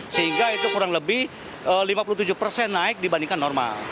sehingga itu kurang lebih lima puluh tujuh persen naik dibandingkan normal